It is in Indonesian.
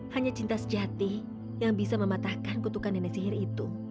hanya cinta sejati yang bisa mematahkan kutukan nenek sihir itu